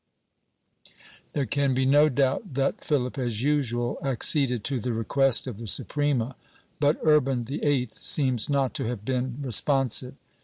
^ There can be no doubt that Philip, as usual, acceded to the request of the Suprema, but Urban VIII seems not to have been responsive.